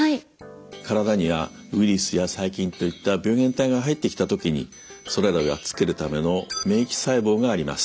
体にはウイルスや細菌といった病原体が入ってきた時にそれらをやっつけるための免疫細胞があります。